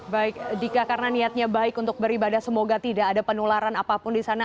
baik dika karena niatnya baik untuk beribadah semoga tidak ada penularan apapun di sana